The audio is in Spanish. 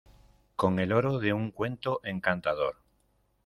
Con el oro de un cuento encantador.